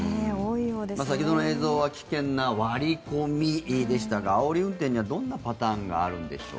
先ほどの映像は危険な割り込みでしたがあおり運転にはどんなパターンがあるんでしょう。